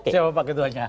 siapa pak ketuanya